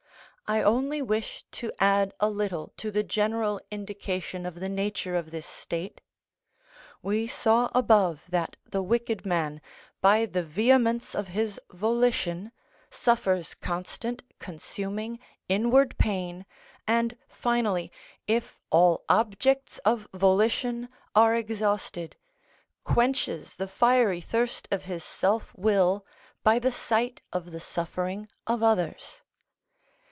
I only wish to add a little to the general indication of the nature of this state. We saw above that the wicked man, by the vehemence of his volition, suffers constant, consuming, inward pain, and finally, if all objects of volition are exhausted, quenches the fiery thirst of his self will by the sight of the suffering of others.